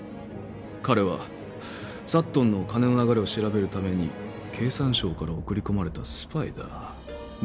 彼はサットンの金の流れを調べるために経産省から送り込まれたスパイだ。ですよね？